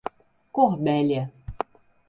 Corbélia